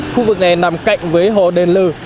khu vực này nằm cạnh với hồ đền lừ